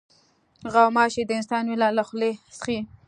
غوماشې د انسان وینه له خولې څښي.